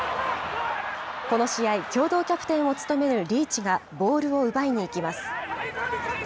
この試合、共同キャプテンを務めるリーチがボールを奪いに行きます。